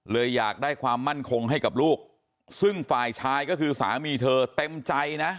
อยากได้ความมั่นคงให้กับลูกซึ่งฝ่ายชายก็คือสามีเธอเต็มใจนะ